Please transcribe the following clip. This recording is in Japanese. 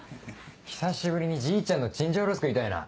久しぶりにじいちゃんのチンジャオロース食いたいな。